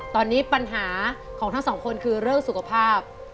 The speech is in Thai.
ตอนนี้ปัญหาของทั้งสองคนคือเรื่องสุขภาพ